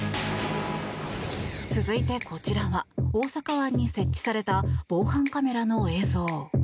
続いてこちらは大阪湾に設置された防犯カメラの映像。